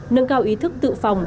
nâng cao ý thức tự phòng